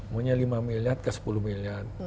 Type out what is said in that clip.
mulai dari lima miliar ke sepuluh miliar